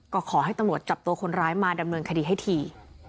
ก็ขอให้ตำรวจจับตัวคนร้ายมาดำเนินคดีให้ที